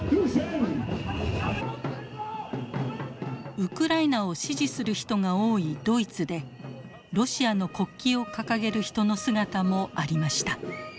ウクライナを支持する人が多いドイツでロシアの国旗を掲げる人の姿もありました。